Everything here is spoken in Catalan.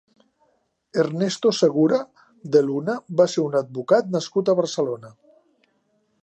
Ernesto Segura de Luna va ser un advocat nascut a Barcelona.